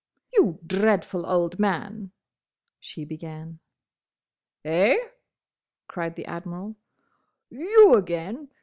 "You dreadful old man—" she began. "Eh?" cried the Admiral. "You, again!